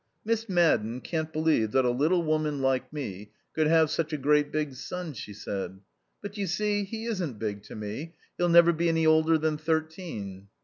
"Miss Madden can't believe that a little woman like me could have such a great big son," she said. "But, you see, he isn't big to me. He'll never be any older than thirteen."